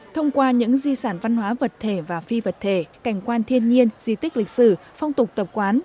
thông qua những di sản văn hóa vật thể và phi vật thể cảnh quan thiên nhiên di tích lịch sử phong tục tập quán